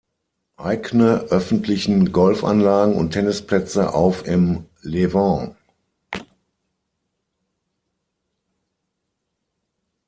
Eigne öffentlichen Golfanlagen und Tennisplätze auf im Llevant.